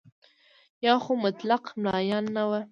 یا خو مطلق ملایان نه وو.